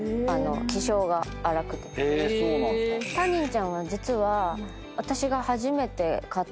タニンちゃんは実は私が。